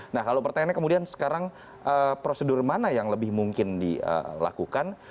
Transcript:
nah kalau pertanyaannya kemudian sekarang prosedur mana yang lebih mungkin dilakukan